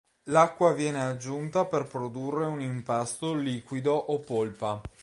L'acqua viene aggiunta per produrre un impasto liquido o "polpa".